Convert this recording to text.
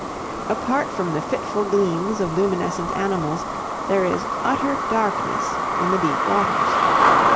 Apart from the fitful gleams of luminescent animals, there is utter darkness in the deep waters.